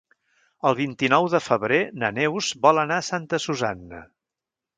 El vint-i-nou de febrer na Neus vol anar a Santa Susanna.